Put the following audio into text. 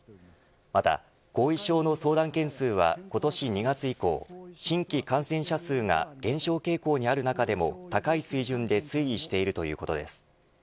また、後遺症の相談件数は今年２月以降新規感染者数が減少傾向にある中でも高い水準で推移しているということです。